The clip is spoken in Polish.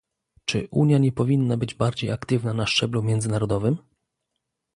Czy Unia nie powinna być bardziej aktywna na szczeblu międzynarodowym?